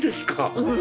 うん。